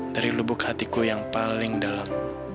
dari lubuk hatiku yang paling dalam